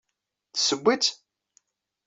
Tesseww-itt?